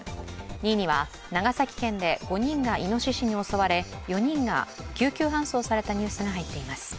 ２位には、長崎県で５人がいのししに襲われ４人が救急搬送されたニュースが入っています。